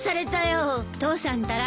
父さんったら